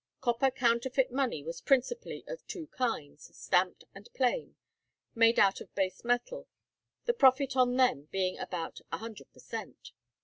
Copper counterfeit money was principally of two kinds, stamped and plain, made out of base metal; the profit on them being about a hundred per cent.